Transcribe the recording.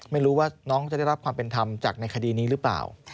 ไม่รู้ว่าน้องจะได้รับความเป็นธรรมจากในคดีนี้หรือเปล่า